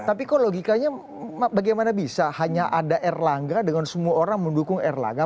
tapi kok logikanya bagaimana bisa hanya ada erlangga dengan semua orang mendukung erlangga